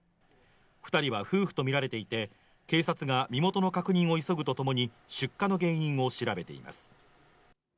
２人は夫婦とみられていて警察が身元の確認を急ぐとともに出火の原因を調べています。